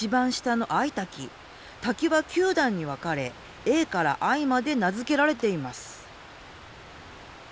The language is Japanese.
滝は９段に分かれＡからＩまで名付けられています。